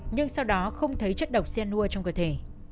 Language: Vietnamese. nhưng sau đó không thấy chất độc cyanur trong cơ thể